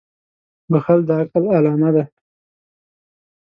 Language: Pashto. • بښل د عقل علامه ده.